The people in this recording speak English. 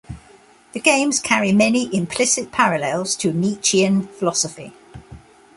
The games carry many implicit parallels to Nietzschean philosophy.